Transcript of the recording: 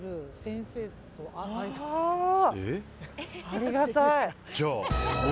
ありがたい。